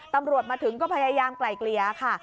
ตำรวจมาถึงก็พยายามไกลเกลี่ยค่ะ